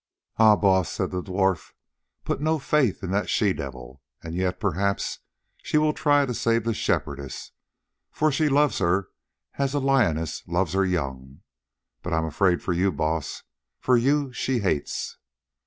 "Ah, Baas," said the dwarf, "put no faith in that she devil. And yet perhaps she will try to save the Shepherdess, for she loves her as a lioness loves her young. But I am afraid for you, Baas, for you she hates."